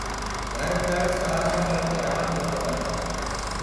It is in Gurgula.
گھر تَڙ سآرآ ٻݪ ڪي رآکِ هوگآ تآ۔